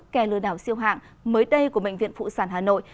kè lừa đảo siêu hạng mới đây của bệnh viện phụ sản hà nội